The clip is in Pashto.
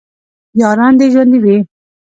یاران دې ژوندي وي